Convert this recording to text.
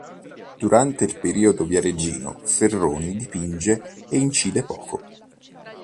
Durante il periodo viareggino Ferroni dipinge e incide poco.